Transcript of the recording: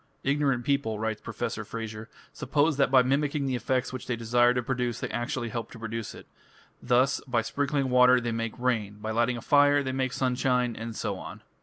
"Ignorant people", writes Professor Frazer, "suppose that by mimicking the effect which they desire to produce they actually help to produce it: thus by sprinkling water they make rain, by lighting a fire they make sunshine, and so on."